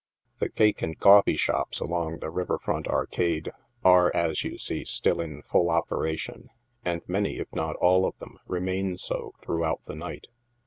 The cake and coffee shops along the river frdiit arcade, are, as you see, still in full operation, and many, if not all of them, remain so throughout the night.